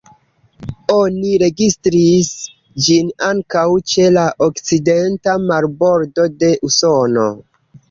Oni registris ĝin ankaŭ ĉe la okcidenta marbordo de Usono.